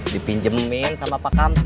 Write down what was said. dipinjemin sama pak kam tatang